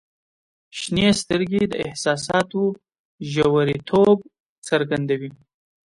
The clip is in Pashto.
• شنې سترګې د احساساتو ژوریتوب څرګندوي.